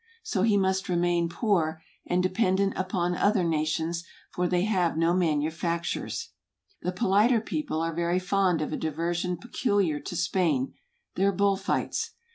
So he must remain poor, and dependant upon other nations; for they have no manufactures. The politer people are very fond of a diversion peculiar to Spain, their bull fights.